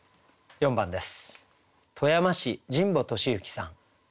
４番です。